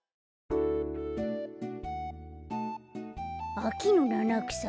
あきのななくさ？